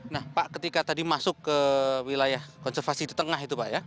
nah pak ketika tadi masuk ke wilayah konservasi di tengah itu pak ya